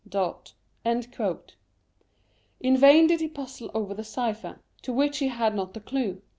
In vain did he puzzle over the cypher, to which he had not the clue.